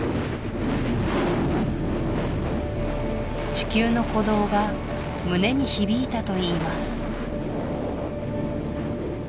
地球の鼓動が胸に響いたといいます